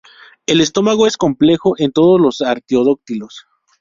El estómago es complejo en todos los artiodáctilos.